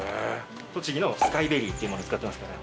栃木のスカイベリーっていうもの使ってますから。